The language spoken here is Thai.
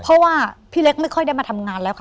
เพราะว่าพี่เล็กไม่ค่อยได้มาทำงานแล้วค่ะ